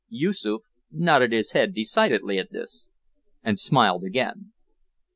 Yoosoof nodded his head decidedly at this, and smiled again.